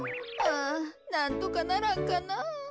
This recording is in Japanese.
ああなんとかならんかな。